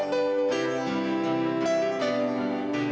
gak bakal jadi satu